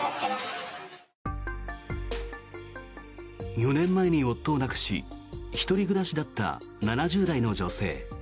４年前に夫を亡くし１人暮らしだった７０代の女性。